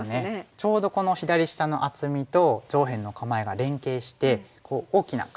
ちょうどこの左下の厚みと上辺の構えが連携して大きな構えになりましたよね。